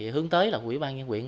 hướng tới là quỹ ban nhân quyền